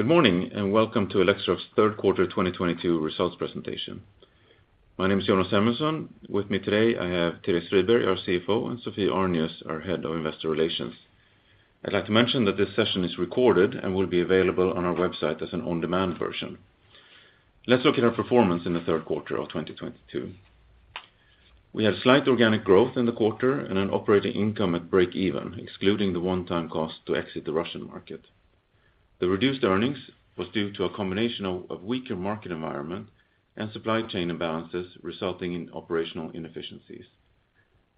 Good morning, and welcome to Electrolux third quarter 2022 results presentation. My name is Jonas Samuelson. With me today, I have Therese Friberg, our CFO, and Sophie Arnius, our Head of Investor Relations. I'd like to mention that this session is recorded and will be available on our website as an on-demand version. Let's look at our performance in the third quarter of 2022. We have slight organic growth in the quarter and an operating income at break even, excluding the one-time cost to exit the Russian market. The reduced earnings was due to a combination of weaker market environment and supply chain imbalances resulting in operational inefficiencies.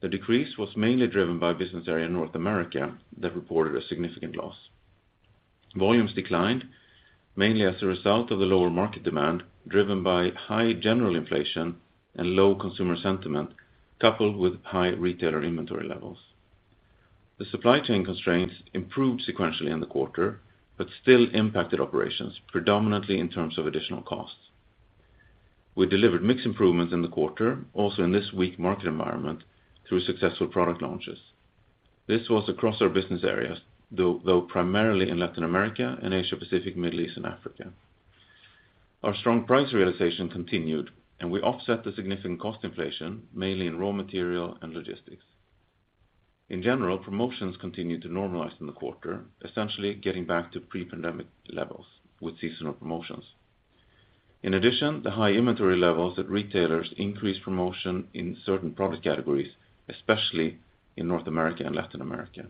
The decrease was mainly driven by business area in North America that reported a significant loss. Volumes declined mainly as a result of the lower market demand, driven by high general inflation and low consumer sentiment, coupled with high retailer inventory levels. The supply chain constraints improved sequentially in the quarter, but still impacted operations, predominantly in terms of additional costs. We delivered mixed improvements in the quarter, also in this weak market environment through successful product launches. This was across our business areas, though primarily in Latin America and Asia-Pacific, Middle East, and Africa. Our strong price realization continued, and we offset the significant cost inflation, mainly in raw material and logistics. In general, promotions continued to normalize in the quarter, essentially getting back to pre-pandemic levels with seasonal promotions. In addition, the high inventory levels at retailers increased promotion in certain product categories, especially in North America and Latin America.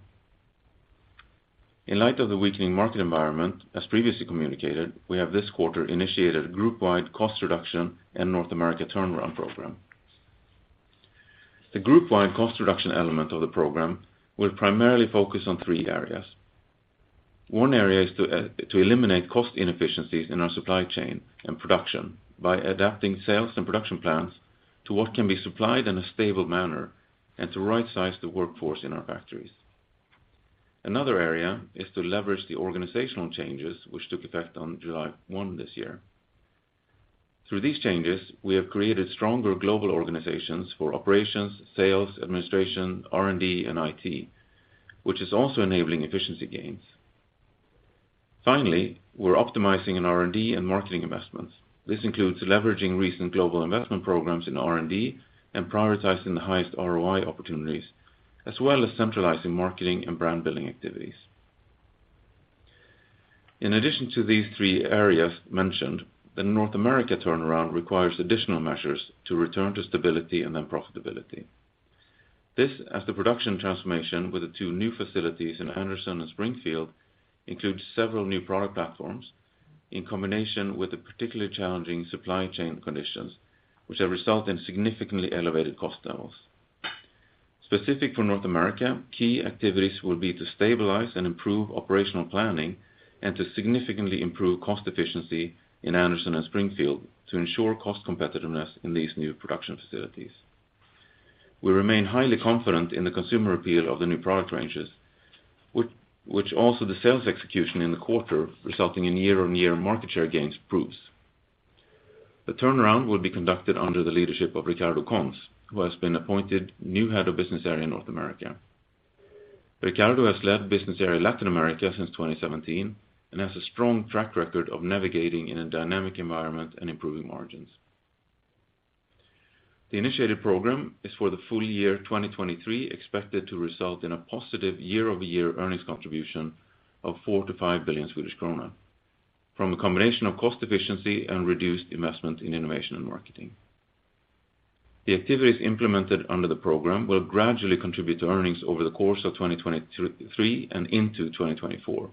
In light of the weakening market environment, as previously communicated, we have this quarter initiated a group-wide cost reduction and North America turnaround program. The group-wide cost reduction element of the program will primarily focus on three areas. One area is to eliminate cost inefficiencies in our supply chain and production by adapting sales and production plans to what can be supplied in a stable manner and to right-size the workforce in our factories. Another area is to leverage the organizational changes which took effect on July one this year. Through these changes, we have created stronger global organizations for operations, sales, administration, R&D, and IT, which is also enabling efficiency gains. Finally, we're optimizing in R&D and marketing investments. This includes leveraging recent global investment programs in R&D and prioritizing the highest ROI opportunities, as well as centralizing marketing and brand-building activities. In addition to these three areas mentioned, the North America turnaround requires additional measures to return to stability and then profitability. This, as the production transformation with the two new facilities in Anderson and Springfield, includes several new product platforms in combination with the particularly challenging supply chain conditions, which have resulted in significantly elevated cost levels. Specific for North America, key activities will be to stabilize and improve operational planning and to significantly improve cost efficiency in Anderson and Springfield to ensure cost competitiveness in these new production facilities. We remain highly confident in the consumer appeal of the new product ranges, which also the sales execution in the quarter resulting in year-on-year market share gains proves. The turnaround will be conducted under the leadership of Ricardo Cons, who has been appointed new head of business area in North America. Ricardo has led business area Latin America since 2017 and has a strong track record of navigating in a dynamic environment and improving margins. The initiated program is for the full year 2023 expected to result in a positive year-over-year earnings contribution of 4-5 billion Swedish krona from a combination of cost efficiency and reduced investment in innovation and marketing. The activities implemented under the program will gradually contribute to earnings over the course of 2023 and into 2024.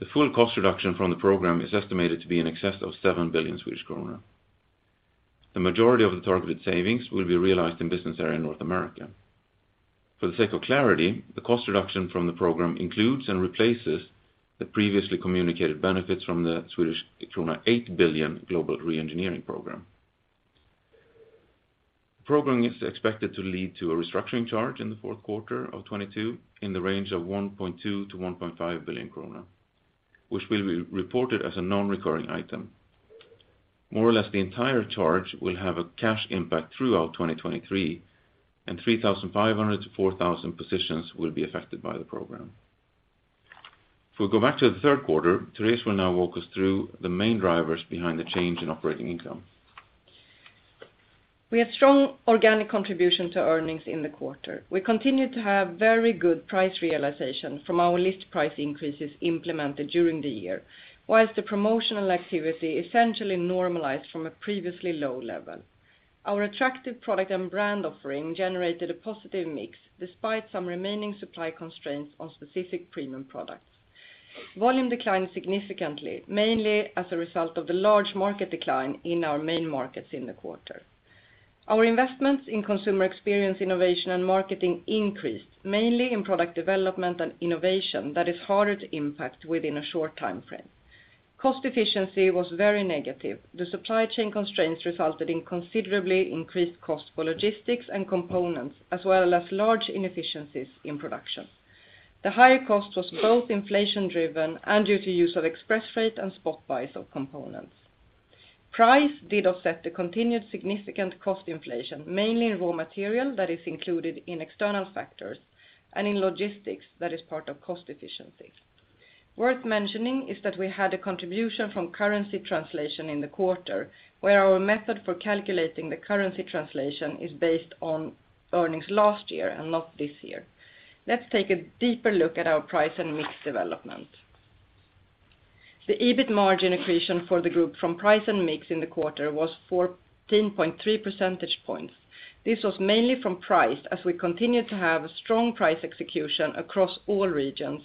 The full cost reduction from the program is estimated to be in excess of 7 billion. The majority of the targeted savings will be realized in business area in North America. For the sake of clarity, the cost reduction from the program includes and replaces the previously communicated benefits from the Swedish krona 8 billion global re-engineering program. The program is expected to lead to a restructuring charge in the fourth quarter of 2022 in the range of 1.2 billion-1.5 billion krona, which will be reported as a non-recurring item. More or less the entire charge will have a cash impact throughout 2023, and 3,500-4,000 positions will be affected by the program. If we go back to the third quarter, Therese will now walk us through the main drivers behind the change in operating income. We have strong organic contribution to earnings in the quarter. We continue to have very good price realization from our list price increases implemented during the year, while the promotional activity essentially normalized from a previously low level. Our attractive product and brand offering generated a positive mix despite some remaining supply constraints on specific premium products. Volume declined significantly, mainly as a result of the large market decline in our main markets in the quarter. Our investments in consumer experience, innovation, and marketing increased, mainly in product development and innovation that is harder to impact within a short time frame. Cost efficiency was very negative. The supply chain constraints resulted in considerably increased cost for logistics and components, as well as large inefficiencies in production. The higher cost was both inflation-driven and due to use of express freight and spot buys of components. Price did offset the continued significant cost inflation, mainly in raw material that is included in external factors and in logistics that is part of cost efficiency. Worth mentioning is that we had a contribution from currency translation in the quarter, where our method for calculating the currency translation is based on earnings last year and not this year. Let's take a deeper look at our price and mix development. The EBIT margin accretion for the group from price and mix in the quarter was 14.3 percentage points. This was mainly from price as we continued to have a strong price execution across all regions,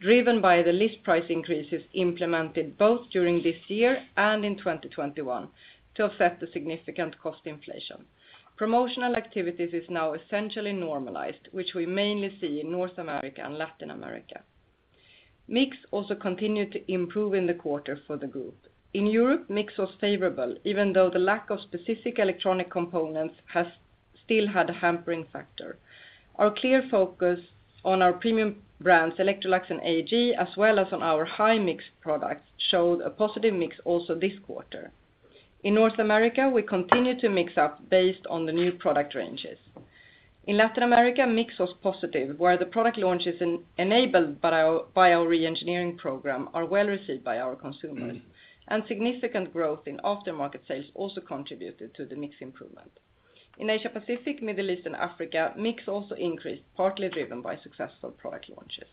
driven by the list price increases implemented both during this year and in 2021 to offset the significant cost inflation. Promotional activities is now essentially normalized, which we mainly see in North America and Latin America. Mix also continued to improve in the quarter for the group. In Europe, mix was favorable, even though the lack of specific electronic components has still had a hampering factor. Our clear focus on our premium brands, Electrolux and AEG, as well as on our high mix products, showed a positive mix also this quarter. In North America, we continue to mix up based on the new product ranges. In Latin America, mix was positive, where the product launches enabled by our reengineering program are well received by our consumers, and significant growth in aftermarket sales also contributed to the mix improvement. In Asia Pacific, Middle East, and Africa, mix also increased, partly driven by successful product launches.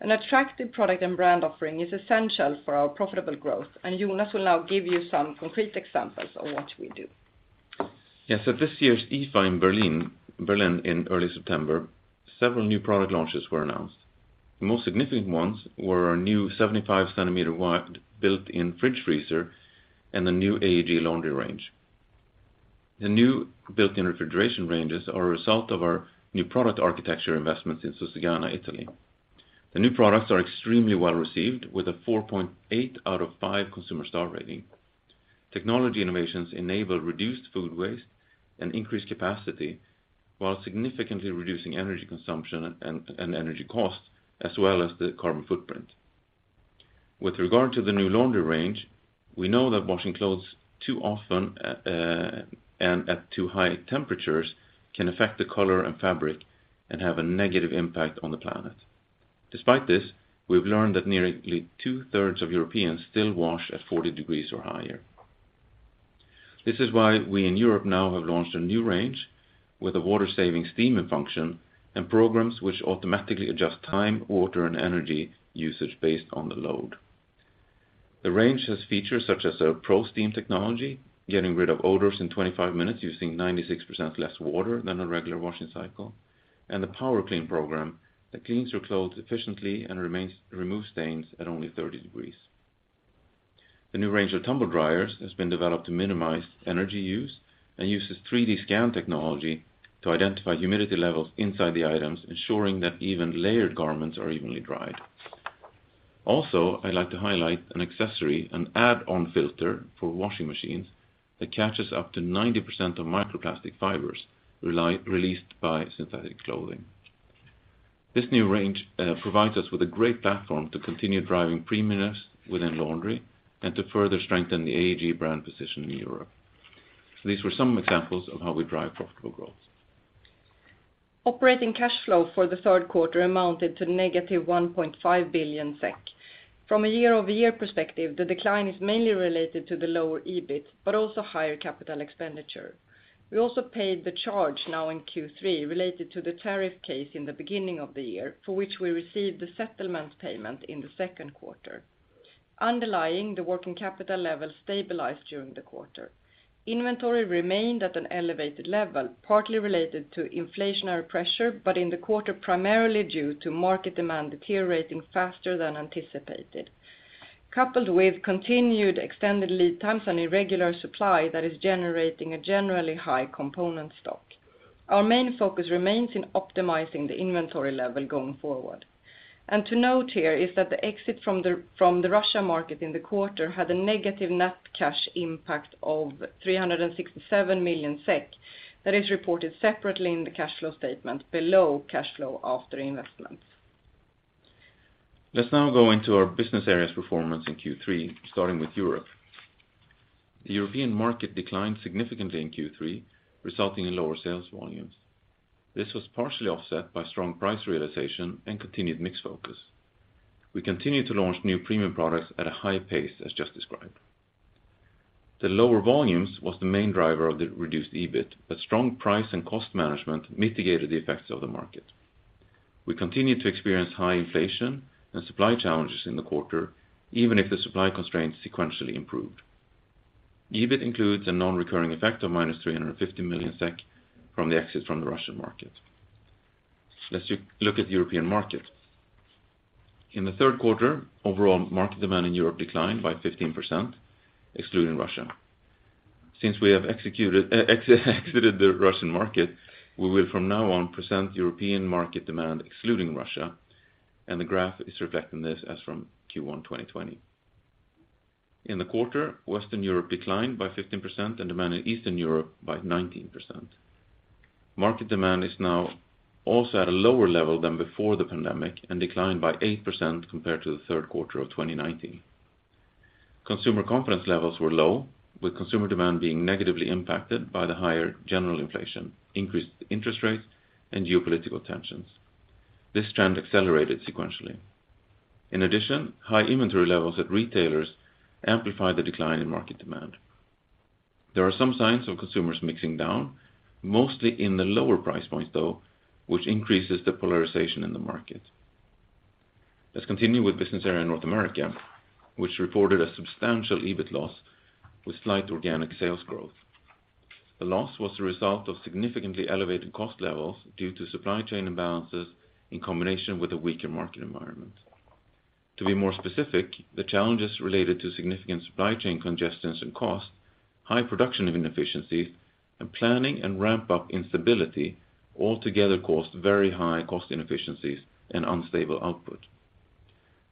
An attractive product and brand offering is essential for our profitable growth. Jonas will now give you some concrete examples of what we do. Yes. At this year's IFA in Berlin in early September, several new product launches were announced. The most significant ones were our new 75-centimeter wide built-in fridge freezer and the new AEG laundry range. The new built-in refrigeration ranges are a result of our new product architecture investments in Susegana, Italy. The new products are extremely well received with a 4.8 out of 5 consumer star rating. Technology innovations enable reduced food waste and increased capacity while significantly reducing energy consumption and energy costs as well as the carbon footprint. With regard to the new laundry range, we know that washing clothes too often and at too high temperatures can affect the color and fabric and have a negative impact on the planet. Despite this, we've learned that nearly two-thirds of Europeans still wash at 40 degrees or higher. This is why we in Europe now have launched a new range with a water saving steamer function and programs which automatically adjust time, water, and energy usage based on the load. The range has features such as a ProSteam technology, getting rid of odors in 25 minutes using 96% less water than a regular washing cycle, and a power clean program that cleans your clothes efficiently and removes stains at only 30 degrees. The new range of tumble dryers has been developed to minimize energy use and uses 3DSense technology to identify humidity levels inside the items, ensuring that even layered garments are evenly dried. I'd like to highlight an accessory, an add-on filter for washing machines that catches up to 90% of microplastic fibers released by synthetic clothing. This new range provides us with a great platform to continue driving premiumness within laundry and to further strengthen the AEG brand position in Europe. These were some examples of how we drive profitable growth. Operating cash flow for the third quarter amounted to -1.5 billion SEK. From a year-over-year perspective, the decline is mainly related to the lower EBIT, but also higher capital expenditure. We also paid the charge now in Q3 related to the tariff case in the beginning of the year, for which we received the settlement payment in the second quarter. Underlying, the working capital level stabilized during the quarter. Inventory remained at an elevated level, partly related to inflationary pressure, but in the quarter, primarily due to market demand deteriorating faster than anticipated, coupled with continued extended lead times and irregular supply that is generating a generally high component stock. Our main focus remains in optimizing the inventory level going forward. To note here is that the exit from the Russian market in the quarter had a negative net cash impact of 367 million SEK that is reported separately in the cash flow statement below cash flow after investments. Let's now go into our business areas performance in Q3, starting with Europe. The European market declined significantly in Q3, resulting in lower sales volumes. This was partially offset by strong price realization and continued mix focus. We continued to launch new premium products at a high pace as just described. The lower volumes was the main driver of the reduced EBIT, but strong price and cost management mitigated the effects of the market. We continued to experience high inflation and supply challenges in the quarter, even if the supply constraints sequentially improved. EBIT includes a non-recurring effect of -350 million SEK from the exit from the Russian market. Let's look at European markets. In the third quarter, overall market demand in Europe declined by 15%, excluding Russia. Since we have exited the Russian market, we will from now on present European market demand excluding Russia, and the graph is reflecting this as from Q1 2020. In the quarter, Western Europe declined by 15% and demand in Eastern Europe by 19%. Market demand is now also at a lower level than before the pandemic and declined by 8% compared to the third quarter of 2019. Consumer confidence levels were low, with consumer demand being negatively impacted by the higher general inflation, increased interest rates, and geopolitical tensions. This trend accelerated sequentially. In addition, high inventory levels at retailers amplified the decline in market demand. There are some signs of consumers mixing down, mostly in the lower price points, though, which increases the polarization in the market. Let's continue with business area in North America, which reported a substantial EBIT loss with slight organic sales growth. The loss was the result of significantly elevated cost levels due to supply chain imbalances in combination with a weaker market environment. To be more specific, the challenges related to significant supply chain congestions and costs, high production inefficiencies, and planning and ramp-up instability altogether caused very high cost inefficiencies and unstable output.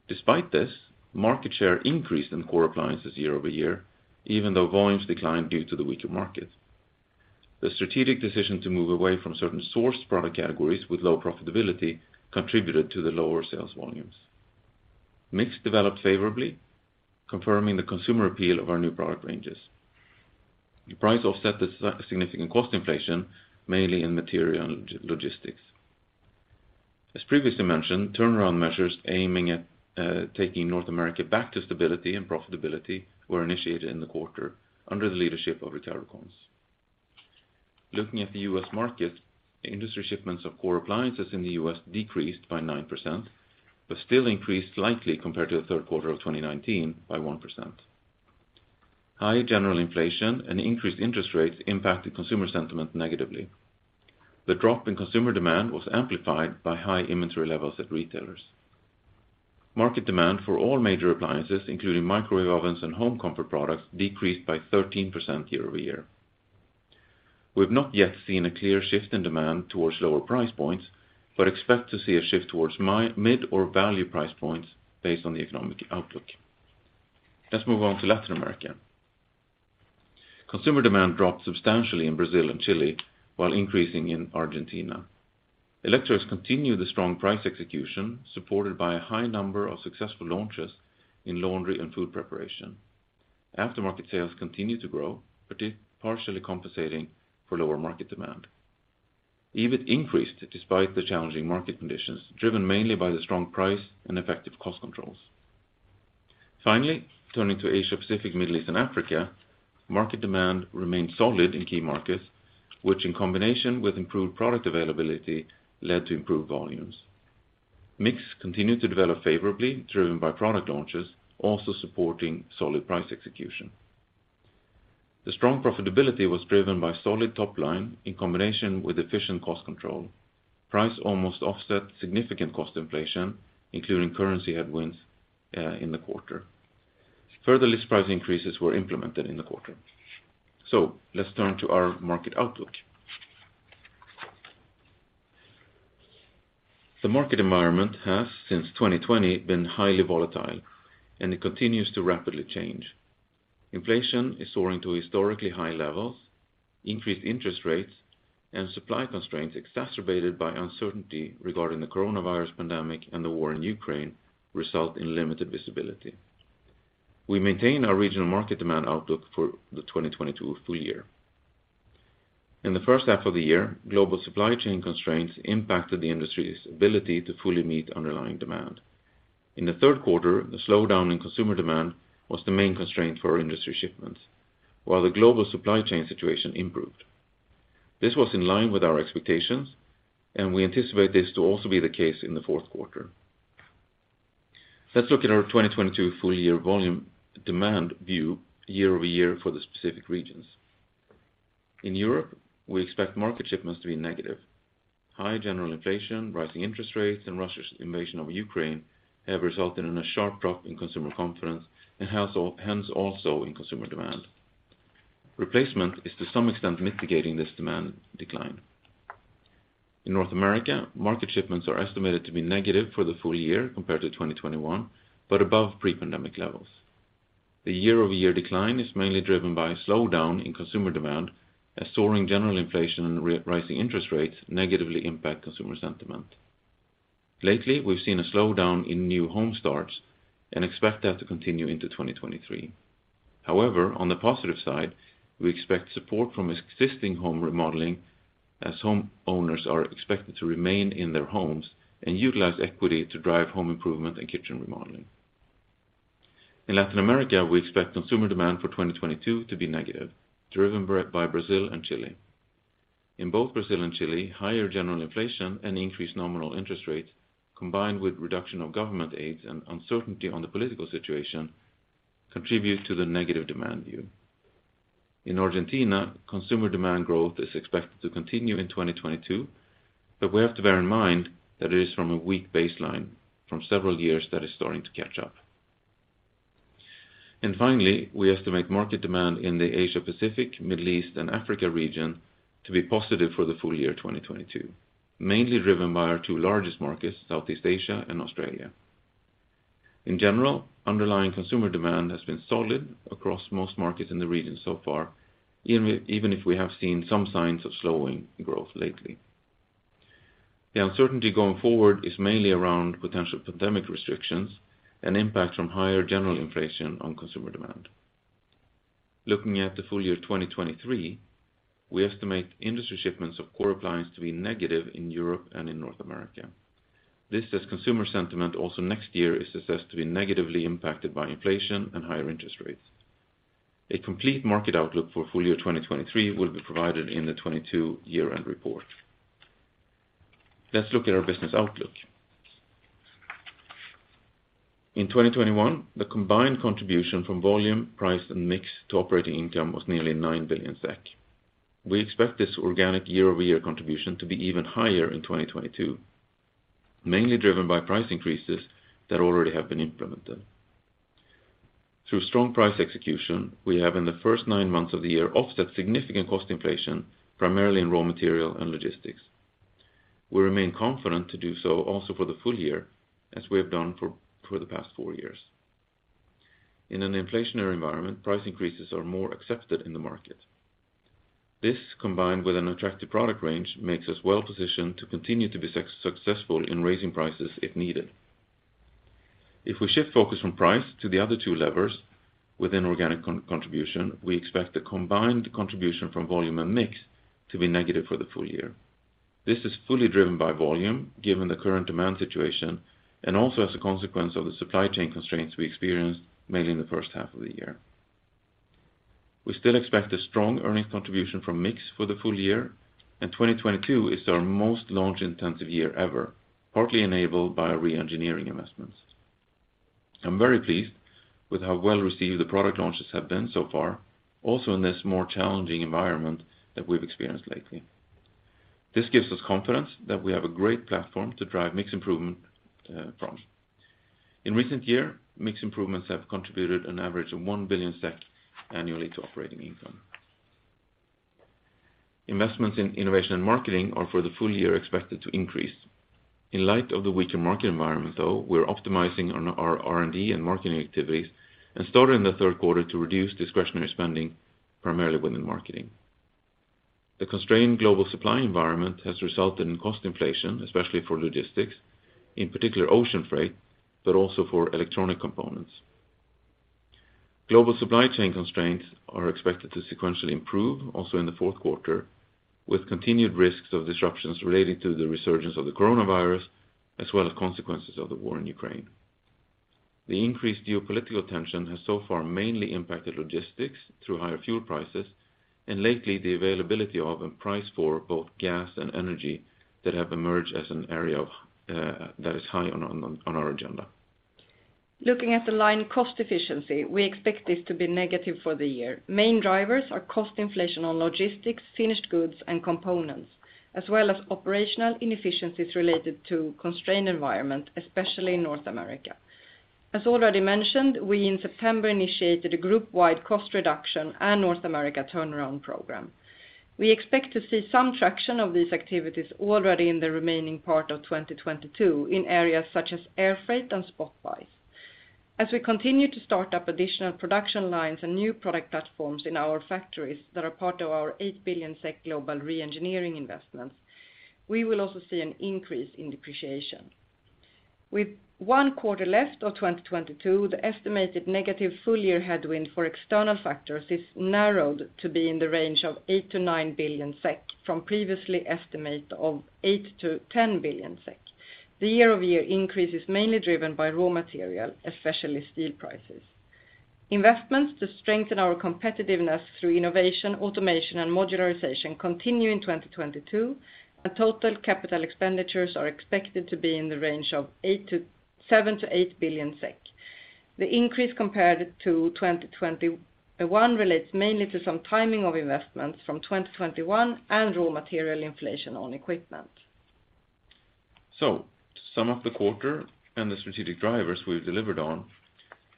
Despite this, market share increased in core appliances year-over-year, even though volumes declined due to the weaker market. The strategic decision to move away from certain sourced product categories with low profitability contributed to the lower sales volumes. Mix developed favorably, confirming the consumer appeal of our new product ranges. The price offset the significant cost inflation, mainly in material logistics. As previously mentioned, turnaround measures aiming at taking North America back to stability and profitability were initiated in the quarter under the leadership of Ricardo Cons. Looking at the U.S. market, industry shipments of core appliances in the US decreased by 9%, but still increased slightly compared to the third quarter of 2019 by 1%. High general inflation and increased interest rates impacted consumer sentiment negatively. The drop in consumer demand was amplified by high inventory levels at retailers. Market demand for all major appliances, including microwave ovens and home comfort products, decreased by 13% year-over-year. We've not yet seen a clear shift in demand towards lower price points, but expect to see a shift towards mid or value price points based on the economic outlook. Let's move on to Latin America. Consumer demand dropped substantially in Brazil and Chile, while increasing in Argentina. Electrolux continued the strong price execution, supported by a high number of successful launches in laundry and food preparation. Aftermarket sales continued to grow, partially compensating for lower market demand. EBIT increased despite the challenging market conditions, driven mainly by the strong price and effective cost controls. Finally, turning to Asia-Pacific, Middle East, and Africa, market demand remained solid in key markets, which in combination with improved product availability led to improved volumes. Mix continued to develop favorably, driven by product launches, also supporting solid price execution. The strong profitability was driven by solid top line in combination with efficient cost control. Price almost offset significant cost inflation, including currency headwinds, in the quarter. Further list price increases were implemented in the quarter. Let's turn to our market outlook. The market environment has, since 2020, been highly volatile, and it continues to rapidly change. Inflation is soaring to historically high levels, increased interest rates, and supply constraints exacerbated by uncertainty regarding the coronavirus pandemic and the war in Ukraine result in limited visibility. We maintain our regional market demand outlook for the 2022 full year. In the first half of the year, global supply chain constraints impacted the industry's ability to fully meet underlying demand. In the third quarter, the slowdown in consumer demand was the main constraint for our industry shipments, while the global supply chain situation improved. This was in line with our expectations, and we anticipate this to also be the case in the fourth quarter. Let's look at our 2022 full year volume demand view year-over-year for the specific regions. In Europe, we expect market shipments to be negative. High general inflation, rising interest rates, and Russia's invasion of Ukraine have resulted in a sharp drop in consumer confidence and hence also in consumer demand. Replacement is to some extent mitigating this demand decline. In North America, market shipments are estimated to be negative for the full year compared to 2021, but above pre-pandemic levels. The year-over-year decline is mainly driven by a slowdown in consumer demand as soaring general inflation and rising interest rates negatively impact consumer sentiment. Lately, we've seen a slowdown in new home starts and expect that to continue into 2023. However, on the positive side, we expect support from existing home remodeling as home owners are expected to remain in their homes and utilize equity to drive home improvement and kitchen remodeling. In Latin America, we expect consumer demand for 2022 to be negative, driven by Brazil and Chile. In both Brazil and Chile, higher general inflation and increased nominal interest rates, combined with reduction of government aids and uncertainty on the political situation, contribute to the negative demand view. In Argentina, consumer demand growth is expected to continue in 2022, but we have to bear in mind that it is from a weak baseline from several years that is starting to catch up. Finally, we estimate market demand in the Asia-Pacific, Middle East, and Africa region to be positive for the full year 2022, mainly driven by our two largest markets, Southeast Asia and Australia. In general, underlying consumer demand has been solid across most markets in the region so far, even if we have seen some signs of slowing growth lately. The uncertainty going forward is mainly around potential pandemic restrictions and impact from higher general inflation on consumer demand. Looking at the full year 2023, we estimate industry shipments of core appliance to be negative in Europe and in North America. This, as consumer sentiment also next year is assessed to be negatively impacted by inflation and higher interest rates. A complete market outlook for full year 2023 will be provided in the 2022 year-end report. Let's look at our business outlook. In 2021, the combined contribution from volume, price, and mix to operating income was nearly 9 billion SEK. We expect this organic year-over-year contribution to be even higher in 2022, mainly driven by price increases that already have been implemented. Through strong price execution, we have in the first 9 months of the year offset significant cost inflation, primarily in raw material and logistics. We remain confident to do so also for the full year as we have done for the past four years. In an inflationary environment, price increases are more accepted in the market. This, combined with an attractive product range, makes us well-positioned to continue to be successful in raising prices if needed. If we shift focus from price to the other two levers within organic contribution, we expect the combined contribution from volume and mix to be negative for the full year. This is fully driven by volume, given the current demand situation, and also as a consequence of the supply chain constraints we experienced mainly in the first half of the year. We still expect a strong earnings contribution from mix for the full year, and 2022 is our most launch-intensive year ever, partly enabled by reengineering investments. I'm very pleased with how well received the product launches have been so far, also in this more challenging environment that we've experienced lately. This gives us confidence that we have a great platform to drive mix improvement. In recent years, mix improvements have contributed an average of 1 billion SEK annually to operating income. Investments in innovation and marketing are for the full year expected to increase. In light of the weaker market environment, though, we're optimizing on our R&D and marketing activities and started in the third quarter to reduce discretionary spending, primarily within marketing. The constrained global supply environment has resulted in cost inflation, especially for logistics, in particular ocean freight, but also for electronic components. Global supply chain constraints are expected to sequentially improve also in the fourth quarter, with continued risks of disruptions related to the resurgence of the coronavirus, as well as consequences of the war in Ukraine. The increased geopolitical tension has so far mainly impacted logistics through higher fuel prices, and lately the availability of and price for both gas and energy that have emerged as an area of that is high on our agenda. Looking at the line cost efficiency, we expect this to be negative for the year. Main drivers are cost inflation on logistics, finished goods, and components, as well as operational inefficiencies related to constrained environment, especially in North America. As already mentioned, we in September initiated a group-wide cost reduction and North America turnaround program. We expect to see some traction of these activities already in the remaining part of 2022 in areas such as air freight and spot buys. As we continue to start up additional production lines and new product platforms in our factories that are part of our 8 billion SEK global reengineering investments, we will also see an increase in depreciation. With one quarter left of 2022, the estimated negative full year headwind for external factors is narrowed to be in the range of 8- 9 billion SEK from previous estimate of 8-10 billion SEK. The year-over-year increase is mainly driven by raw material, especially steel prices. Investments to strengthen our competitiveness through innovation, automation, and modularization continue in 2022, and total capital expenditures are expected to be in the range of 7- 8 billion SEK. The increase compared to 2021 relates mainly to some timing of investments from 2021 and raw material inflation on equipment. To sum up the quarter and the strategic drivers we've delivered on,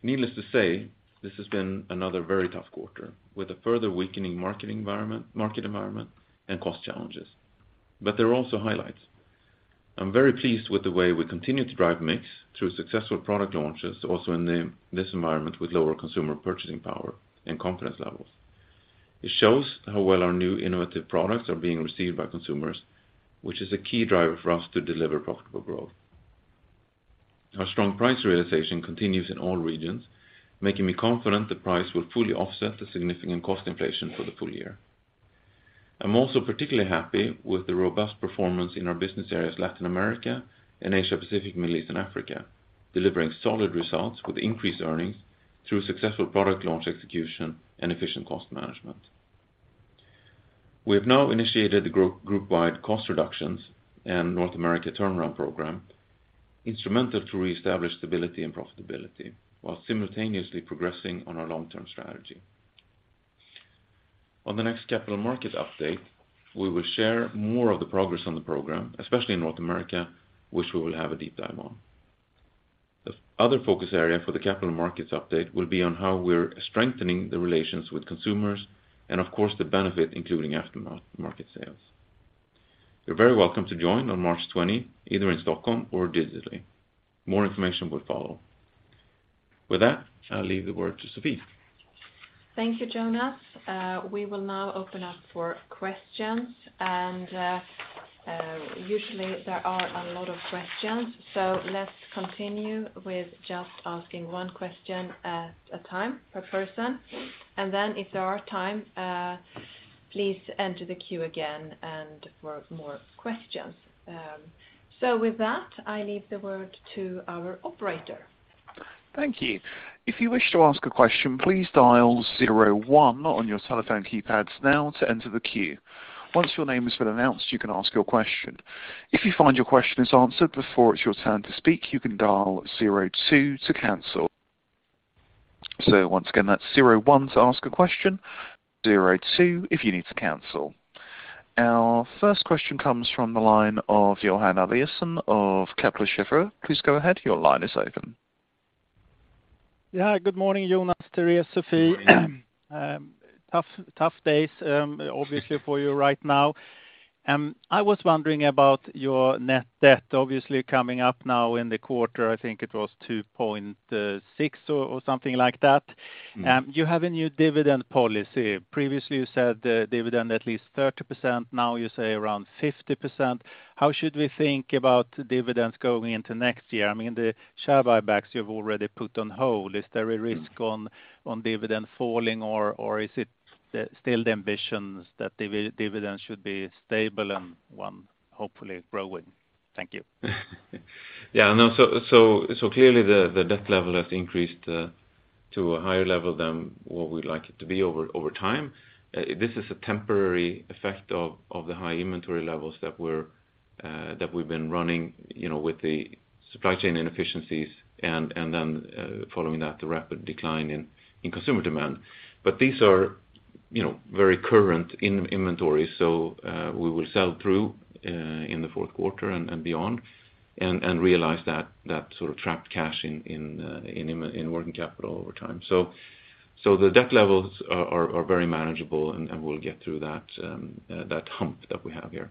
needless to say, this has been another very tough quarter with a further weakening market environment and cost challenges. There are also highlights. I'm very pleased with the way we continue to drive mix through successful product launches, also in this environment with lower consumer purchasing power and confidence levels. It shows how well our new innovative products are being received by consumers, which is a key driver for us to deliver profitable growth. Our strong price realization continues in all regions, making me confident the price will fully offset the significant cost inflation for the full year. I'm also particularly happy with the robust performance in our business areas Latin America and Asia Pacific, Middle East, and Africa, delivering solid results with increased earnings through successful product launch execution and efficient cost management. We have now initiated group-wide cost reductions and North America turnaround program, instrumental to reestablish stability and profitability while simultaneously progressing on our long-term strategy. On the next Capital Markets Update, we will share more of the progress on the program, especially in North America, which we will have a deep dive on. The other focus area for the Capital Markets Update will be on how we're strengthening the relations with consumers and of course the benefit, including aftermarket sales. You're very welcome to join on March 20, either in Stockholm or digitally. More information will follow. With that, I'll leave the word to Sophie. Thank you, Jonas. We will now open up for questions. Usually there are a lot of questions, so let's continue with just asking one question at a time per person. Then if there are time, please enter the queue again and for more questions. With that, I leave the word to our operator. Thank you. If you wish to ask a question, please dial zero one on your telephone keypads now to enter the queue. Once your name has been announced, you can ask your question. If you find your question is answered before it's your turn to speak, you can dial zero two to cancel. Once again, that's zero one to ask a question, zero two if you need to cancel. Our first question comes from the line of Johan Eliason of Kepler Cheuvreux. Please go ahead. Your line is open. Yeah. Good morning, Jonas, Therese, Sophie. Good morning. Tough days, obviously for you right now. I was wondering about your net debt, obviously coming up now in the quarter. I think it was 2.6 or something like that. Mm-hmm. You have a new dividend policy. Previously, you said dividend at least 30%. Now you say around 50%. How should we think about dividends going into next year? I mean, the share buybacks you've already put on hold. Is there a risk? Mm. On dividend falling or is it still the ambitions that dividends should be stable and one hopefully growing? Thank you. Yeah, no. So clearly the debt level has increased to a higher level than what we'd like it to be over time. This is a temporary effect of the high inventory levels that we've been running, you know, with the supply chain inefficiencies and then following that, the rapid decline in consumer demand. But these are, you know, very current in inventory. So we will sell through in the fourth quarter and beyond and realize that sort of trapped cash in working capital over time. So the debt levels are very manageable, and we'll get through that hump that we have here.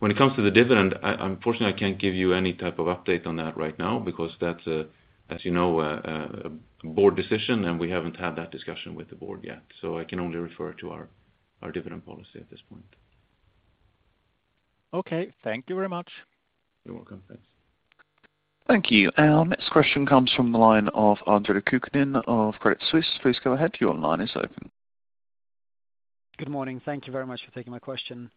When it comes to the dividend, I unfortunately can't give you any type of update on that right now because that's a, as you know, a board decision, and we haven't had that discussion with the board yet. I can only refer to our dividend policy at this point. Okay. Thank you very much. You're welcome. Thanks. Thank you. Our next question comes from the line of Andrej Kukhnin of Credit Suisse. Please go ahead. Your line is open. Good morning. Thank you very much for taking my question.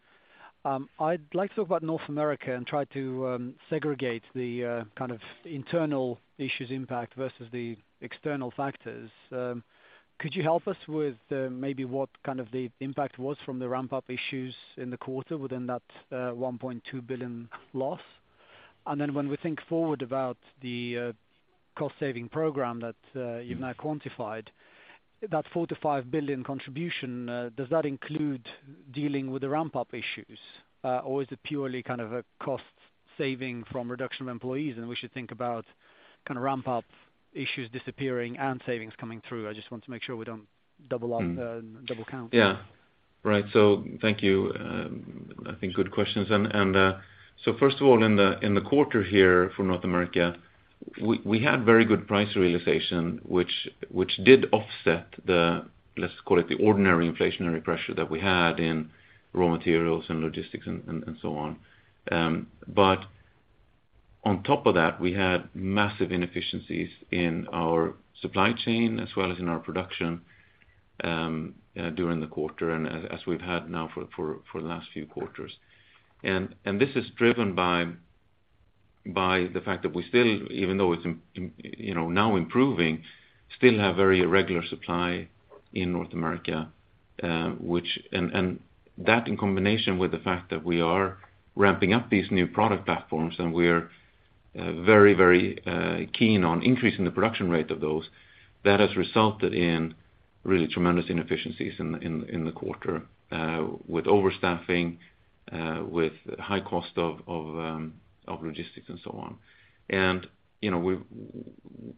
I'd like to talk about North America and try to segregate the kind of internal issues impact versus the external factors. Could you help us with maybe what kind of the impact was from the ramp-up issues in the quarter within that 1.2 billion loss? When we think forward about the cost saving program that Mm. You've now quantified that 4 billion-5 billion contribution. Does that include dealing with the ramp-up issues? Or is it purely kind of a cost saving from reduction of employees, and we should think about kind of ramp-up issues disappearing and savings coming through? I just want to make sure we don't double up- Mm. double count. Yeah. Right. Thank you. I think good questions. First of all, in the quarter here for North America, we had very good price realization, which did offset the, let's call it, the ordinary inflationary pressure that we had in raw materials and logistics and so on. On top of that, we had massive inefficiencies in our supply chain as well as in our production during the quarter and as we've had now for the last few quarters. This is driven by the fact that we still, even though it's, you know, now improving, still have very irregular supply in North America, which. That in combination with the fact that we are ramping up these new product platforms, and we're very keen on increasing the production rate of those, that has resulted in really tremendous inefficiencies in the quarter with overstaffing with high cost of logistics and so on. You know,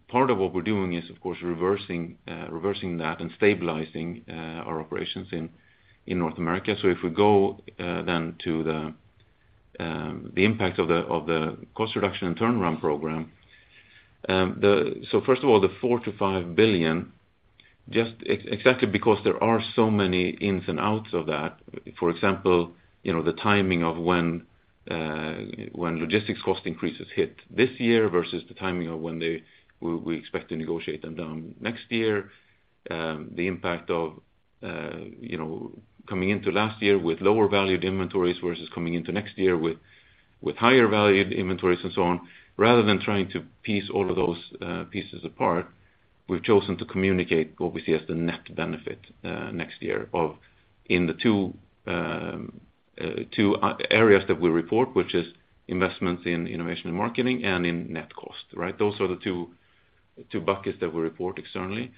part of what we're doing is, of course, reversing that and stabilizing our operations in North America. If we go then to the impact of the cost reduction and turnaround program. First of all, the 4 billion-5 billion, just exactly because there are so many ins and outs of that, for example, you know, the timing of when logistics cost increases hit this year versus the timing of when we expect to negotiate them down next year, the impact of, you know, coming into last year with lower valued inventories versus coming into next year with higher valued inventories and so on. Rather than trying to piece all of those pieces apart, we've chosen to communicate what we see as the net benefit next year in the two areas that we report, which is investments in innovation and marketing and in net cost, right? Those are the two buckets that we report externally.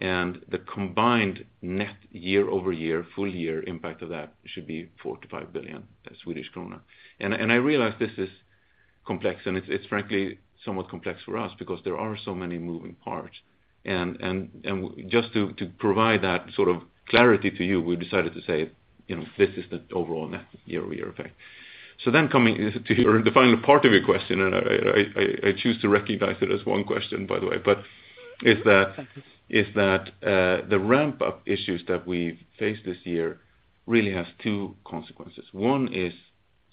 The combined net year-over-year, full year impact of that should be 4 billion-5 billion Swedish krona. I realize this is complex, and it's frankly somewhat complex for us because there are so many moving parts. Just to provide that sort of clarity to you, we decided to say, you know, this is the overall net year-over-year effect. Coming to the final part of your question, and I choose to recognize it as one question by the way, but is that. Thank you. is that the ramp-up issues that we've faced this year really has two consequences. One is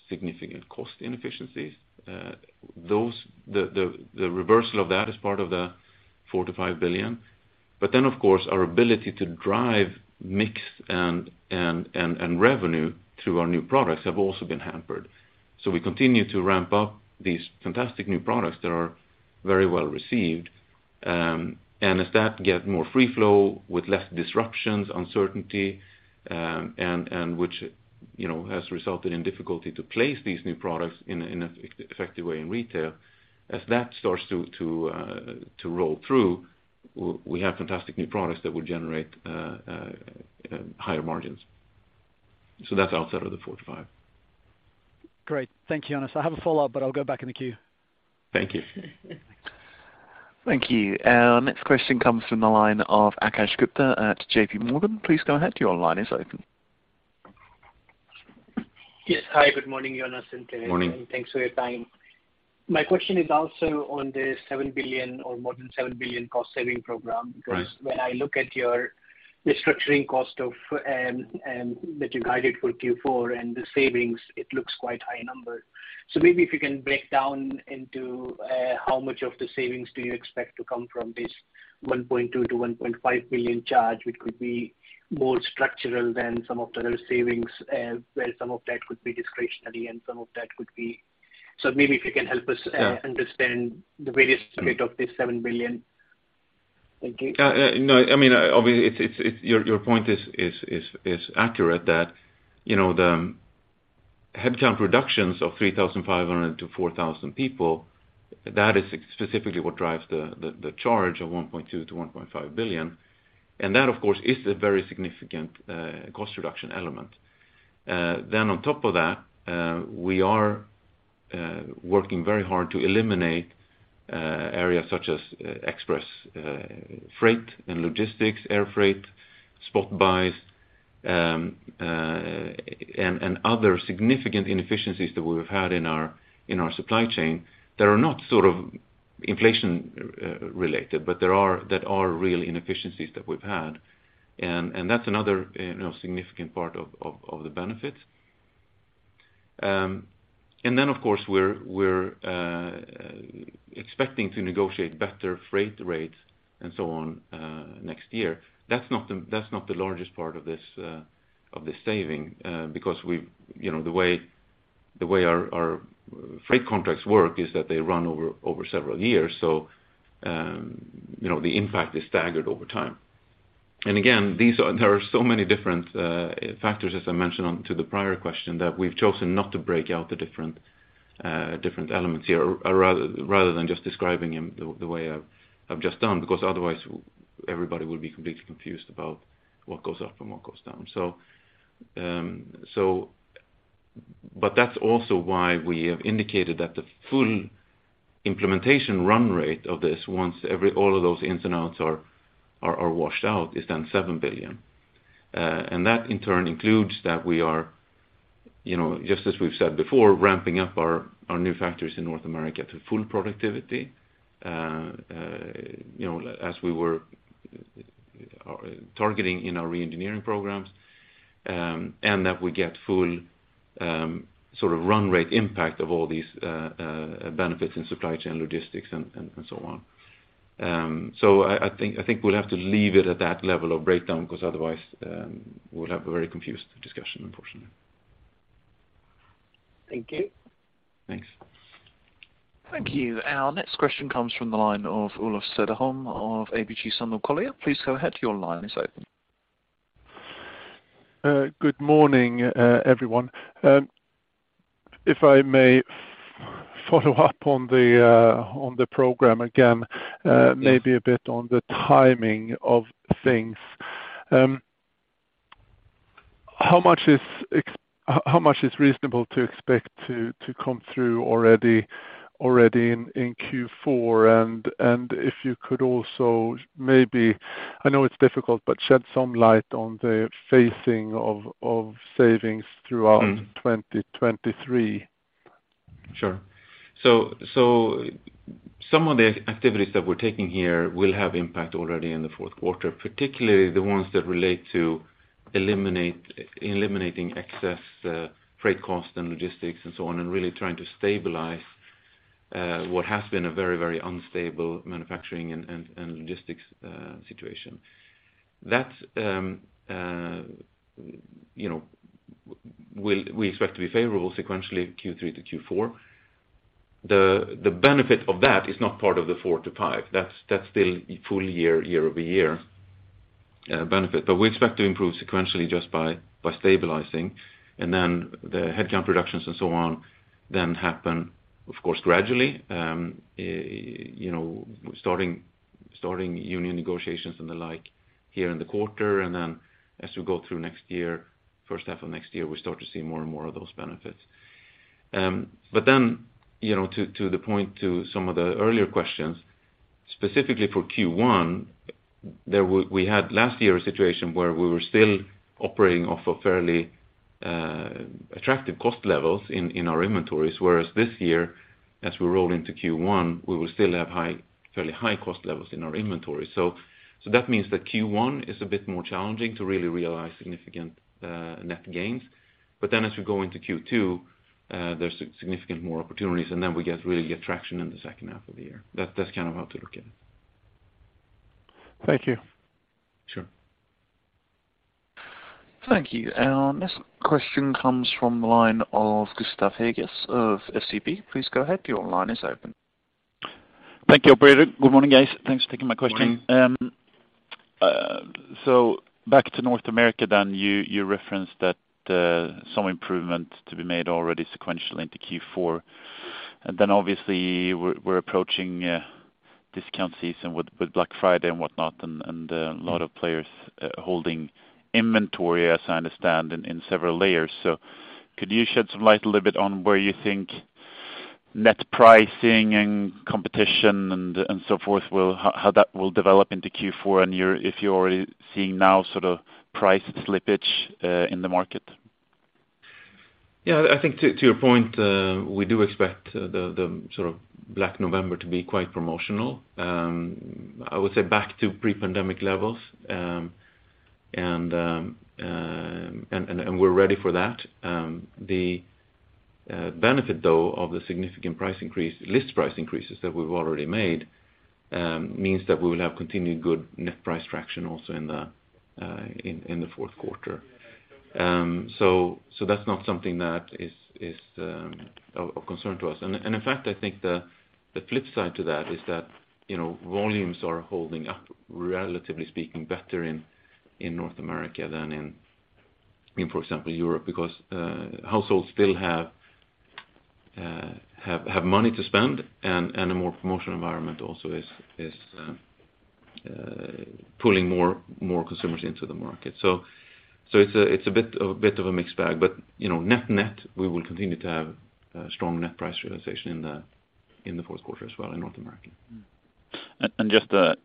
significant cost inefficiencies. The reversal of that is part of the 4 billion-5 billion. Then, of course, our ability to drive mix and revenue through our new products have also been hampered. We continue to ramp up these fantastic new products that are very well received. As that gets more free flow with less disruptions, uncertainty, and which, you know, has resulted in difficulty to place these new products in an effective way in retail. As that starts to roll through, we have fantastic new products that will generate higher margins. That's outside of the 4 billion-5 billion. Great. Thank you, Jonas. I have a follow-up, but I'll go back in the queue. Thank you. Thank you. Our next question comes from the line of Akash Gupta at J.P. Morgan. Please go ahead, your line is open. Yes. Hi, good morning, Jonas and team. Morning. Thanks for your time. My question is also on the 7 billion or more than 7 billion cost-saving program. Right. Because when I look at your restructuring cost of that you guided for Q4 and the savings, it looks quite high number. Maybe if you can break down into how much of the savings do you expect to come from this 1.2 billion-1.5 billion charge, which could be more structural than some of the other savings, where some of that could be discretionary and some of that could be. Maybe if you can help us. Yeah Understand the various state of this 7 billion. Thank you. No. I mean, obviously it's your point is accurate that, you know, the headcount reductions of 3,500-4,000 people, that is specifically what drives the charge of 1.2 billion-1.5 billion. That of course is a very significant cost reduction element. Then on top of that, we are working very hard to eliminate areas such as express freight, freight and logistics, air freight, spot buys, and other significant inefficiencies that we have had in our supply chain that are not sort of inflation-related, but that are real inefficiencies that we've had. That's another, you know, significant part of the benefit. Of course, we're expecting to negotiate better freight rates and so on next year. That's not the largest part of this saving because we've you know, the way our freight contracts work is that they run over several years. You know, the impact is staggered over time. Again, there are so many different factors, as I mentioned in the prior question, that we've chosen not to break out the different elements here, rather than just describing them the way I've just done, because otherwise everybody would be completely confused about what goes up and what goes down. That's also why we have indicated that the full implementation run rate of this, all of those ins and outs are washed out, is then 7 billion. And that in turn includes that we are, you know, just as we've said before, ramping up our new factories in North America to full productivity, you know, as we were targeting in our re-engineering programs, and that we get full, sort of run rate impact of all these benefits in supply chain logistics and so on. I think we'll have to leave it at that level of breakdown because otherwise, we'll have a very confused discussion unfortunately. Thank you. Thanks. Thank you. Our next question comes from the line of Olof Cederholm of ABG Sundal Collier. Please go ahead, your line is open. Good morning, everyone. If I may follow up on the program again. Yes Maybe a bit on the timing of things. How much is reasonable to expect to come through already in Q4? If you could also maybe, I know it's difficult, but shed some light on the phasing of savings throughout Mm-hmm 2023. Sure. Some of the activities that we're taking here will have impact already in the fourth quarter, particularly the ones that relate to eliminating excess freight costs and logistics and so on, and really trying to stabilize what has been a very, very unstable manufacturing and logistics situation. That, you know, we expect to be favorable sequentially Q3 to Q4. The benefit of that is not part of the four-five. That's still full year-over-year benefit. We expect to improve sequentially just by stabilizing, and then the headcount reductions and so on then happen, of course, gradually. You know, starting union negotiations and the like here in the quarter, and then as we go through next year, first half of next year, we start to see more and more of those benefits. You know, to the point of some of the earlier questions, specifically for Q1, we had last year a situation where we were still operating off of fairly attractive cost levels in our inventories, whereas this year, as we roll into Q1, we will still have high, fairly high cost levels in our inventory. That means that Q1 is a bit more challenging to really realize significant net gains. As we go into Q2, there's significantly more opportunities, and then we really get the traction in the second half of the year. That's kind of how to look at it. Thank you. Sure. Thank you. Our next question comes from the line of Gustav Hageus of SEB. Please go ahead, your line is open. Thank you, operator. Good morning, guys. Thanks for taking my question. Morning. Back to North America then, you referenced that some improvement to be made already sequentially into Q4. Obviously we're approaching discount season with Black Friday and whatnot, and a lot of players holding inventory, as I understand, in several layers. Could you shed some light a little bit on where you think net pricing and competition and so forth, how that will develop into Q4, and if you're already seeing now sort of price slippage in the market? Yeah. I think to your point, we do expect the sort of Black November to be quite promotional, I would say back to pre-pandemic levels. We're ready for that. The benefit though of the significant price increase, list price increases that we've already made, means that we will have continued good net price traction also in the fourth quarter. That's not something that is of concern to us. In fact, I think the flip side to that is that, you know, volumes are holding up, relatively speaking, better in North America than in, for example, Europe, because households still have money to spend, and a more promotional environment also is pulling more consumers into the market. It's a bit of a mixed bag. You know, net-net, we will continue to have strong net price realization in the fourth quarter as well in North America. Just a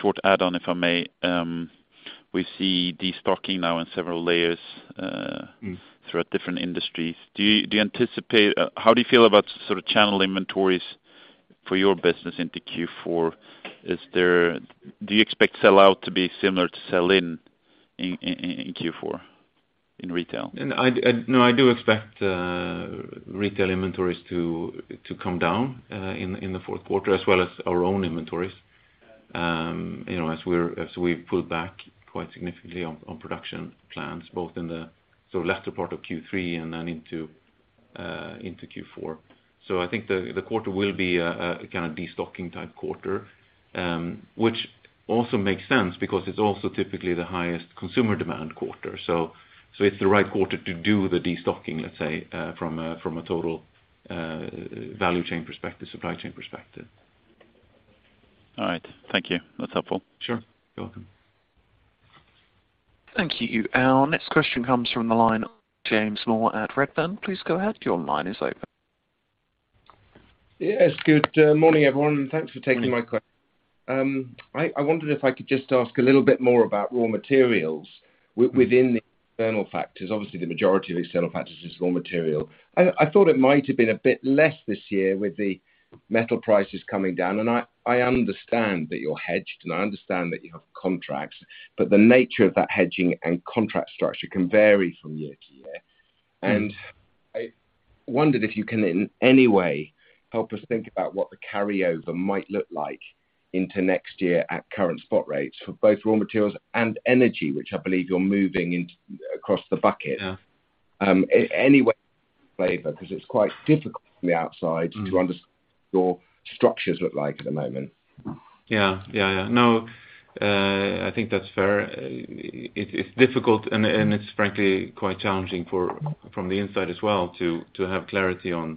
short add-on, if I may. We see destocking now in several layers. Mm-hmm Throughout different industries. How do you feel about sort of channel inventories for your business into Q4? Do you expect sell out to be similar to sell-in in Q4 in retail? I do expect retail inventories to come down in the fourth quarter, as well as our own inventories, you know, as we pull back quite significantly on production plans, both in the sort of latter part of Q3 and then into Q4. I think the quarter will be a kind of destocking type quarter, which also makes sense because it's also typically the highest consumer demand quarter. It's the right quarter to do the destocking, let's say, from a total value chain perspective, supply chain perspective. All right. Thank you. That's helpful. Sure. You're welcome. Thank you. Our next question comes from the line of James Moore at Redburn. Please go ahead, your line is open. Yes. Good morning, everyone, and thanks for taking my que- Morning. I wondered if I could just ask a little bit more about raw materials within the external factors. Obviously, the majority of external factors is raw material. I thought it might have been a bit less this year with the metal prices coming down, and I understand that you're hedged, and I understand that you have contracts, but the nature of that hedging and contract structure can vary from year to year. Mm-hmm. I wondered if you can in any way help us think about what the carryover might look like into next year at current spot rates for both raw materials and energy, which I believe you're moving into across the bucket. Yeah. Anyway flavor, 'cause it's quite difficult from the outside. Mm-hmm to understand what your structures look like at the moment. Yeah. No, I think that's fair. It's difficult and it's frankly quite challenging from the inside as well to have clarity on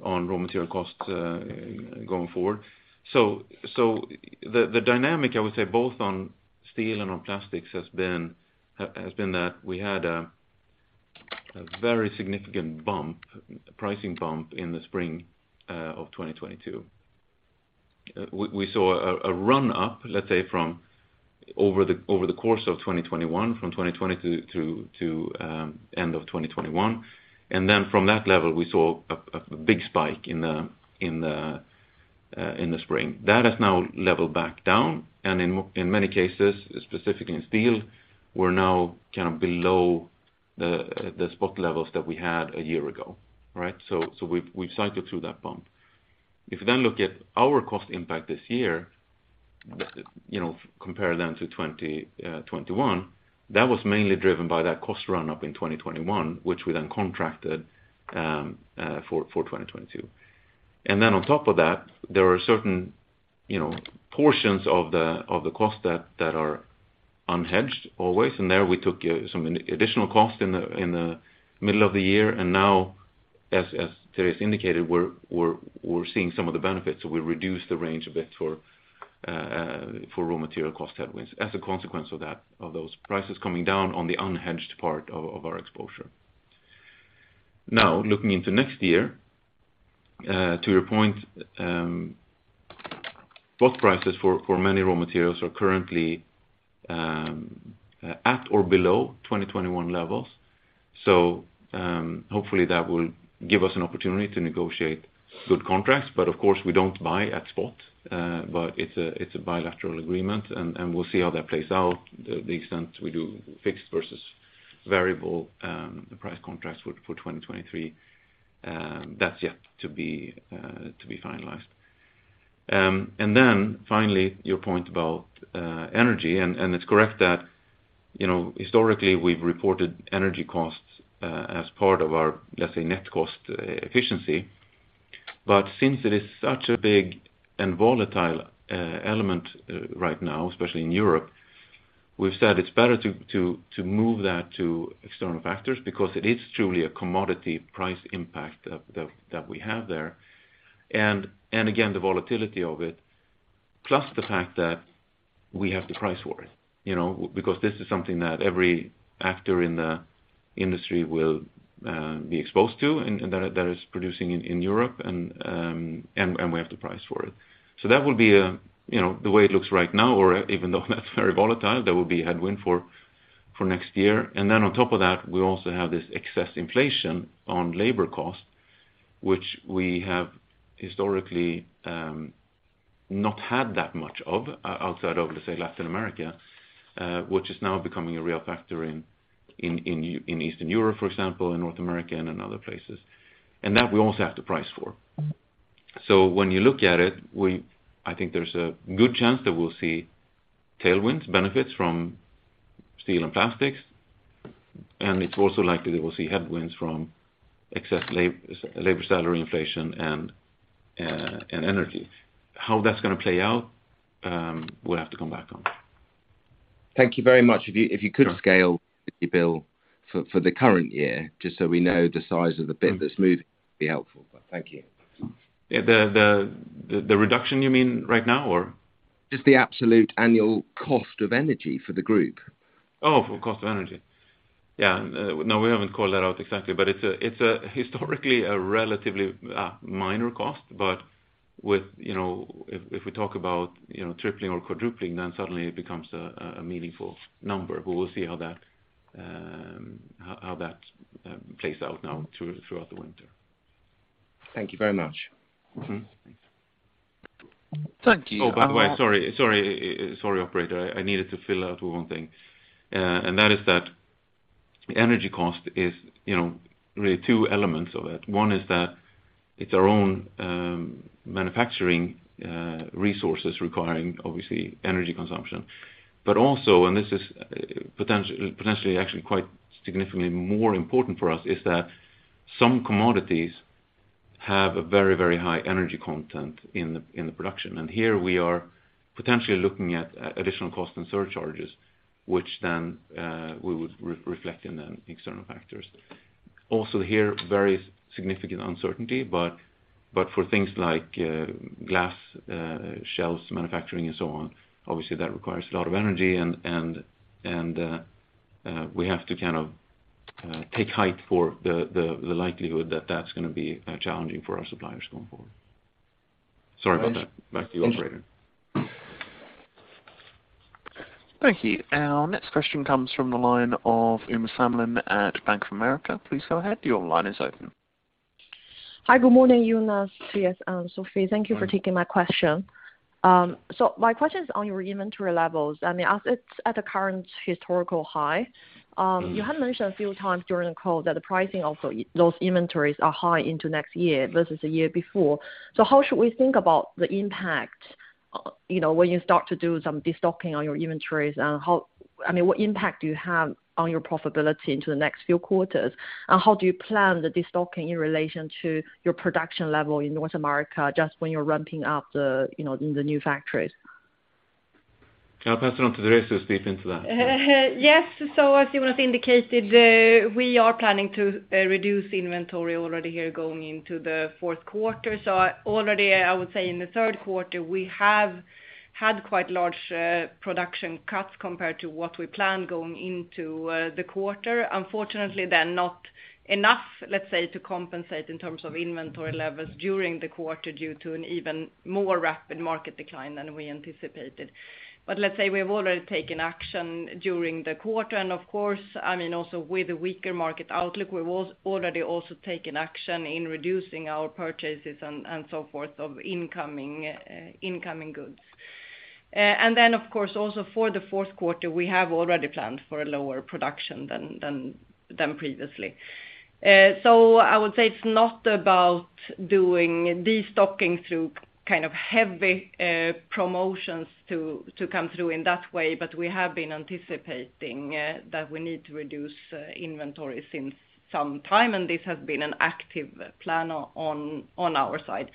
raw material costs going forward. The dynamic, I would say, both on steel and on plastics has been that we had a very significant pricing bump in the spring of 2022. We saw a run up, let's say, from over the course of 2021, from 2020 through to end of 2021, and then from that level, we saw a big spike in the spring. That has now leveled back down, and in many cases, specifically in steel, we're now kind of below the spot levels that we had a year ago, right? We've cycled through that bump. If you then look at our cost impact this year, you know, compare them to 2021, that was mainly driven by that cost run-up in 2021, which we then contracted for 2022. On top of that, there are certain, you know, portions of the cost that are unhedged always, and there we took some additional cost in the middle of the year. Now, as Therese indicated, we're seeing some of the benefits, so we reduced the range a bit for raw material cost headwinds as a consequence of that, of those prices coming down on the unhedged part of our exposure. Now, looking into next year, to your point, both prices for many raw materials are currently at or below 2021 levels. Hopefully that will give us an opportunity to negotiate good contracts. Of course, we don't buy at spot, but it's a bilateral agreement, and we'll see how that plays out. The extent we do fixed versus variable price contracts for 2023, that's yet to be finalized. Then finally, your point about energy, and it's correct that, you know, historically we've reported energy costs as part of our, let's say, net cost efficiency. Since it is such a big and volatile element right now, especially in Europe, we've said it's better to move that to external factors because it is truly a commodity price impact that we have there. Again, the volatility of it, plus the fact that we have to price for it, you know. Because this is something that every actor in the industry will be exposed to and that is producing in Europe and we have to price for it. That will be, you know, the way it looks right now or even though that's very volatile, that will be headwind for next year. On top of that, we also have this excess inflation on labor cost, which we have historically not had that much of outside of, let's say, Latin America, which is now becoming a real factor in Eastern Europe, for example, in North America and in other places. That we also have to price for. When you look at it, I think there's a good chance that we'll see tailwinds benefits from steel and plastics, and it's also likely that we'll see headwinds from excess labor salary inflation and energy. How that's going to play out, we'll have to come back on. Thank you very much. If you could scale the EBIT for the current year, just so we know the size of the EBIT that's moving would be helpful. Thank you. Yeah. The reduction you mean right now, or? Just the absolute annual cost of energy for the group. Oh, for cost of energy. Yeah. No, we haven't called that out exactly, but it's historically a relatively minor cost. With you know, if we talk about you know, tripling or quadrupling, then suddenly it becomes a meaningful number. We'll see how that plays out now throughout the winter. Thank you very much. Mm-hmm. Thanks. Thank you. Oh, by the way, sorry, operator. I needed to fill out one thing, and that is that energy cost is, you know, really two elements of it. One is that it's our own manufacturing resources requiring obviously energy consumption. But also, and this is potentially actually quite significantly more important for us, is that some commodities have a very, very high energy content in the production. Here we are potentially looking at additional cost and surcharges, which then we would reflect in the external factors. Also, here, very significant uncertainty, but for things like glass shelves manufacturing and so on, obviously that requires a lot of energy and we have to kind of take heed of the likelihood that that's going to be challenging for our suppliers going forward. Sorry about that. Back to the operator. Thank you. Our next question comes from the line of Uma Sandelin at Bank of America. Please go ahead. Your line is open. Hi. Good morning, Jonas. Yes, Sophie. Thank you for taking my question. My question is on your inventory levels. I mean, as it's at a current historical high, Mm-hmm. You had mentioned a few times during the call that the pricing of those inventories are high into next year versus the year before. How should we think about the impact, you know, when you start to do some destocking on your inventories, and I mean, what impact do you have on your profitability into the next few quarters? And how do you plan the destocking in relation to your production level in North America just when you're ramping up the, you know, in the new factories? Can I pass it on to Therese to speak into that? Yes. As Jonas indicated, we are planning to reduce inventory already here going into the fourth quarter. Already, I would say, in the third quarter we have had quite large production cuts compared to what we planned going into the quarter. Unfortunately, they're not enough, let's say, to compensate in terms of inventory levels during the quarter due to an even more rapid market decline than we anticipated. Let's say we have already taken action during the quarter and of course, I mean, also with the weaker market outlook, we've already also taken action in reducing our purchases and so forth of incoming goods. Of course, also for the fourth quarter, we have already planned for a lower production than previously. I would say it's not about doing destocking through kind of heavy promotions to come through in that way, but we have been anticipating that we need to reduce inventory since some time, and this has been an active plan on our side.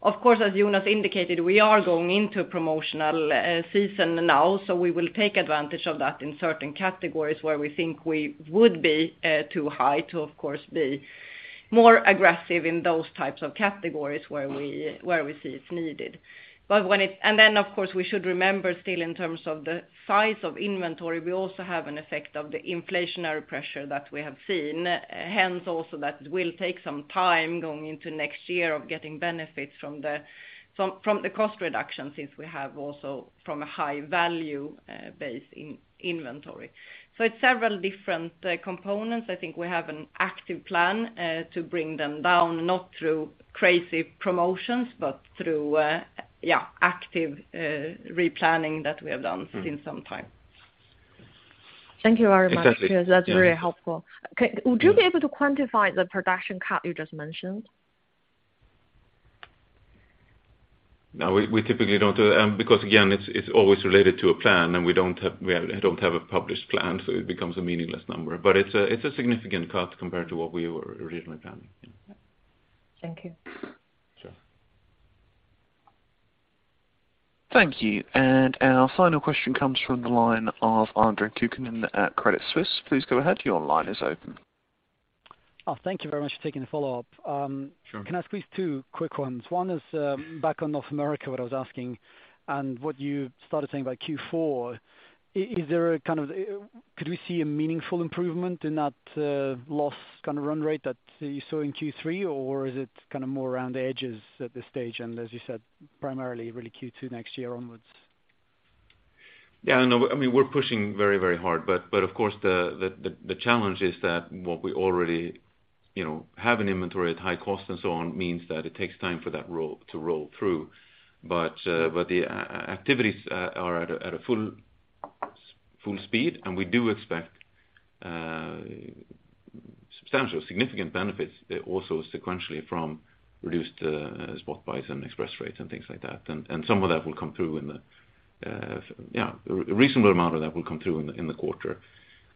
Of course, as Jonas indicated, we are going into a promotional season now, so we will take advantage of that in certain categories where we think we would be too high to, of course, be more aggressive in those types of categories where we see it's needed. We should remember still in terms of the size of inventory, we also have an effect of the inflationary pressure that we have seen. Hence, also that will take some time going into next year of getting benefits from the cost reduction, since we have also from a high value base in inventory. It's several different components. I think we have an active plan to bring them down, not through crazy promotions, but through yeah, active replanning that we have done since some time. Thank you very much. Exactly. Yes, that's very helpful. Would you be able to quantify the production cut you just mentioned? No. We typically don't do that, because again, it's always related to a plan, and we don't have a published plan, so it becomes a meaningless number. It's a significant cut compared to what we were originally planning. Yeah. Thank you. Sure. Thank you. Our final question comes from the line of Andrej Kukhnin at Credit Suisse. Please go ahead. Your line is open. Oh, thank you very much for taking the follow-up. Sure. Can I ask please two quick ones? One is, back on North America, what I was asking, and what you started saying about Q4. Could we see a meaningful improvement in that loss kind of run rate that you saw in Q3, or is it kind of more around the edges at this stage, and as you said, primarily really Q2 next year onwards? I mean, we're pushing very hard, but of course, the challenge is that what we already, you know, have in inventory at high cost and so on means that it takes time for that roll to roll through. The activities are at full speed, and we do expect substantial, significant benefits also sequentially from reduced spot buys and express freight and things like that. A reasonable amount of that will come through in the quarter.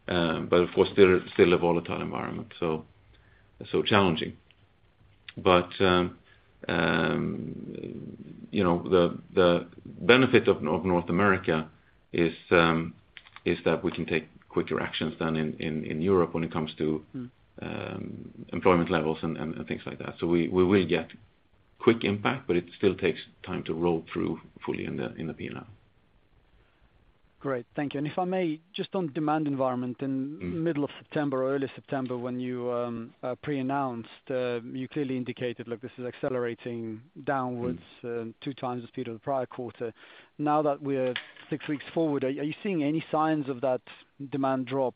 Of course, still a volatile environment, so challenging. You know, the benefit of North America is that we can take quicker actions than in Europe when it comes to- Mm. Employment levels and things like that. We will get quick impact, but it still takes time to roll through fully in the P&L. Great. Thank you. If I may, just on demand environment in- Mm. Middle of September or early September when you pre-announced, you clearly indicated, look, this is accelerating downwards. Mm. Two times the speed of the prior quarter. Now that we're six weeks forward, are you seeing any signs of that demand drop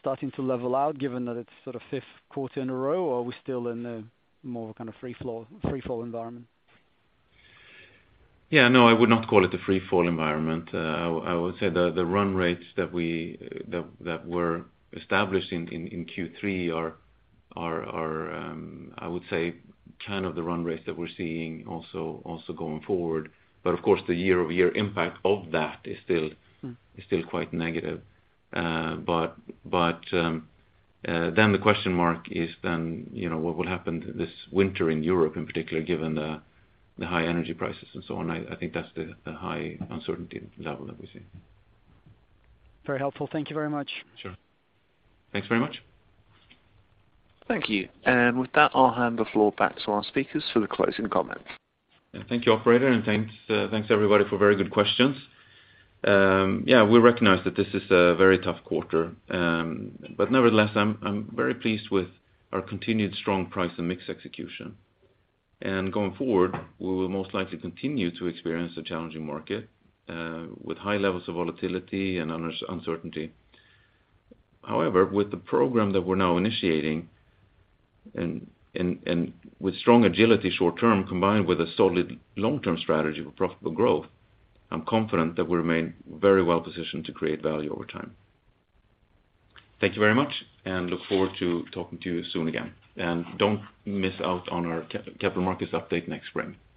starting to level out given that it's sort of fifth quarter in a row? Or are we still in a more kind of freefall environment? Yeah. No, I would not call it a freefall environment. I would say the run rates that were established in Q3 are, I would say, kind of the run rates that we're seeing also going forward. But of course, the year-over-year impact of that is still. Mm. Is still quite negative. The question mark is then, you know, what will happen this winter in Europe in particular, given the high energy prices and so on. I think that's the high uncertainty level that we're seeing. Very helpful. Thank you very much. Sure. Thanks very much. Thank you. With that, I'll hand the floor back to our speakers for the closing comments. Thank you, operator, and thanks, everybody, for very good questions. Yeah, we recognize that this is a very tough quarter, but nevertheless, I'm very pleased with our continued strong price and mix execution. Going forward, we will most likely continue to experience a challenging market, with high levels of volatility and uncertainty. However, with the program that we're now initiating and with strong agility short-term, combined with a solid long-term strategy for profitable growth, I'm confident that we remain very well positioned to create value over time. Thank you very much, and look forward to talking to you soon again. Don't miss out on our capital markets update next spring. Thank you.